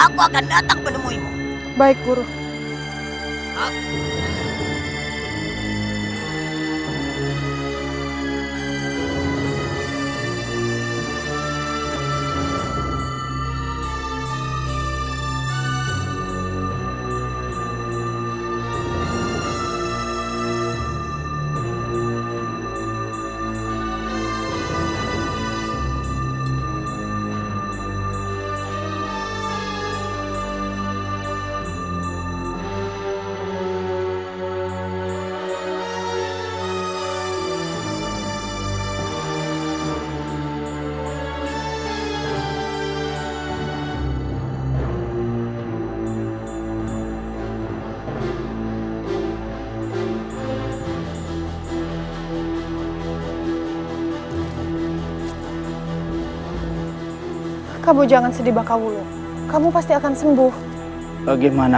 gara gara pusing memikirkan sebarang